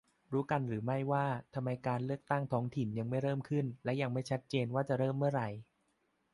รู้กันหรือไม่ว่า ทำไมการเลือกตั้งท้องถิ่นยังไม่เริ่มขึ้น และยังไม่ชัดเจนว่า จะเริ่มเมื่อไร